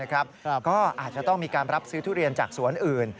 ก็อาจจะต้องมีการรับซื้อทุเรียนจากสวนอื่น